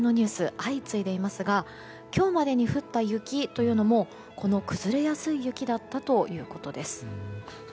相次いでいますが今日までに降った雪というのもこの崩れやすい雪だったということです。